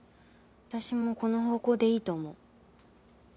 私もこの方向でいいと思う。